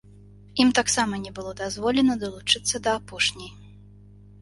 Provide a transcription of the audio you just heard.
Ім таксама не было дазволена далучыцца да апошняй.